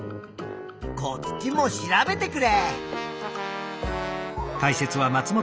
こっちも調べてくれ。